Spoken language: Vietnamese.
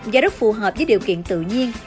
và rất phù hợp với điều kiện tự nhiên